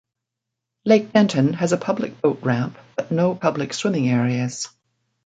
Lake Denton has a public boat ramp, but no public swimming areas.